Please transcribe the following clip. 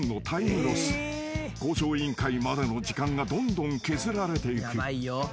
［『向上委員会』までの時間がどんどん削られていく］